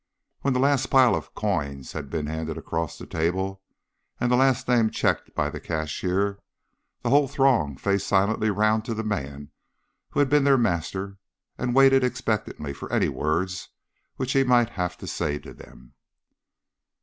When the last pile of coins had been handed across the table, and the last name checked by the cashier, the whole throng faced silently round to the man who had been their master, and waited expectantly for any words which he might have to say to them.